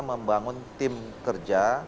membangun tim kerja